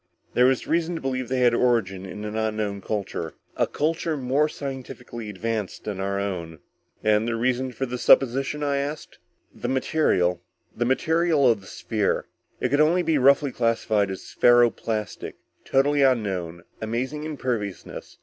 "There was reason to believe they had origin in an unknown culture. A culture more scientifically advanced than our own." "And the reasons for this supposition?" I asked. "The material ... the material of the sphere. It could only be roughly classified as ferro plastic. Totally unknown, amazing imperviousness.